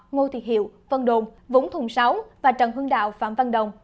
ngô thiệt hiệu vân đồn vũng thùng sáu và trần hưng đạo phạm văn đồng